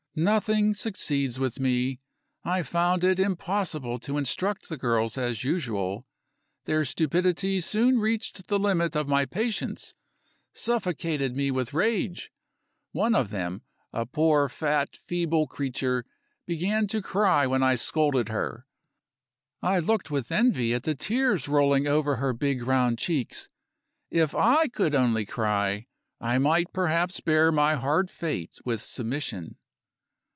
Nothing succeeds with me. I found it impossible to instruct the girls as usual; their stupidity soon reached the limit of my patience suffocated me with rage. One of them, a poor, fat, feeble creature, began to cry when I scolded her. I looked with envy at the tears rolling over her big round cheeks. If I could only cry, I might perhaps bear my hard fate with submission.